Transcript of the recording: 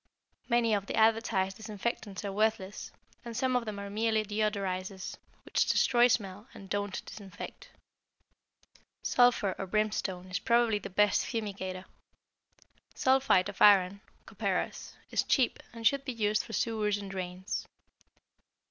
Many of the advertised disinfectants are worthless, and some of them are merely deodorizers, which destroy smell and don't disinfect. Sulphur or brimstone is probably the best fumigator. Sulphite of iron (copperas) is cheap and should be used for sewers and drains.